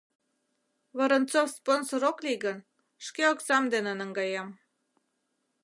Воронцов спонсор ок лий гын, шке оксам дене наҥгаем.